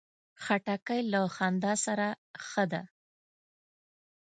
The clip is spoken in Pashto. خټکی له خندا سره ښه ده.